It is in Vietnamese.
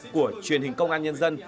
của truyền hình công an nhân dân